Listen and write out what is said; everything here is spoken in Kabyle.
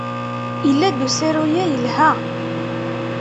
Yella-d usaru-a yelha.